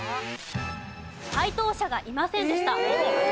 解答者がいませんでした。